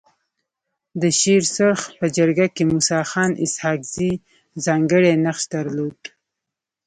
د شيرسرخ په جرګه کي موسي خان اسحق زي ځانګړی نقش درلود.